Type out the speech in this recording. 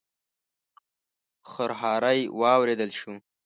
خرهاری واورېدل شو.